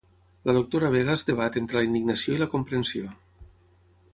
La doctora Vega es debat entre la indignació i la comprensió.